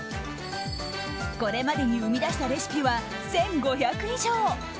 これまで生み出したレシピは１５００以上。